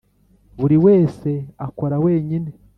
Buri wese akora wenyine